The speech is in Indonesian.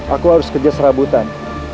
aku harus kerja serabutan